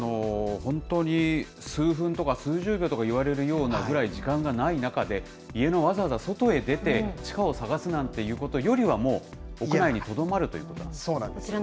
本当に数分とか数十秒とかいわれるようなぐらい時間がない中で、家のわざわざ外へ出て、地下を探すなんてするよりは、もう屋内にとどまるということなんですね。